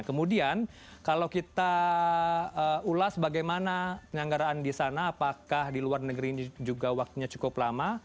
kemudian kalau kita ulas bagaimana penyanggaraan di sana apakah di luar negeri ini juga waktunya cukup lama